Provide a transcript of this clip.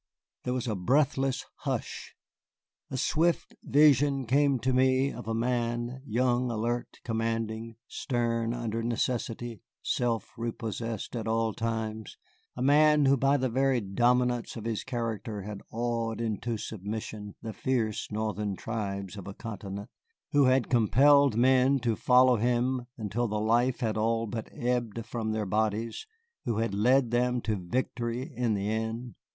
There was a breathless hush. A swift vision came to me of a man, young, alert, commanding, stern under necessity, self repressed at all times a man who by the very dominance of his character had awed into submission the fierce Northern tribes of a continent, who had compelled men to follow him until the life had all but ebbed from their bodies, who had led them to victory in the end.